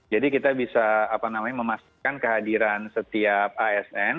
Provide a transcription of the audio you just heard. jadi kita bisa apa namanya memastikan kehadiran setiap asn